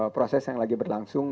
proses yang lagi berlangsung